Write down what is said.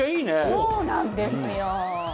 そうなんですよ！